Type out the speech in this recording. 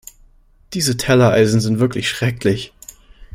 Diese Tellereisen sind wirklich schrecklich.